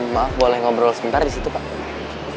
maaf boleh ngobrol sebentar di situ pak